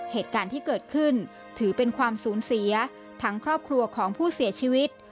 เหตุการณ์ที่เกิดขึ้นถือเป็นความสูญเสียทั้งครอบครัวของผู้เสียชีวิต